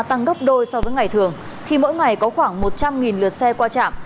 tăng gấp đôi so với ngày thường khi mỗi ngày có khoảng một trăm linh lượt xe qua trạm